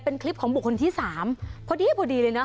เป็นคลิปของบุคคลที่สามเพราะนี่พอดีเลยเนอะ